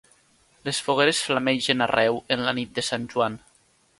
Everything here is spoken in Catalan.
Les fogueres flamegen arreu en la nit de Sant Joan.